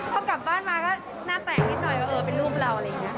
พอกลับบ้านมาก็หน้าแตงนิดหน่อยว่าเออเป็นลูกเรา